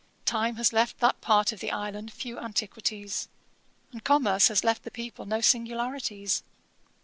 Time has left that part of the island few antiquities; and commerce has left the people no singularities.